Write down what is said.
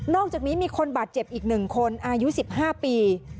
อกจากนี้มีคนบาดเจ็บอีก๑คนอายุ๑๕ปี